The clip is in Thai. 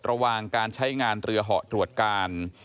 ระหว่างการใช้งานเรือเหาะตรวจการ